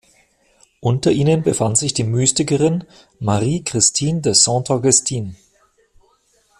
Unter ihnen befand sich die Mystikerin Marie-Christine de Saint-Augustin.